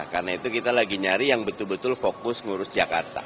karena itu kita lagi nyari yang betul betul fokus ngurus jakarta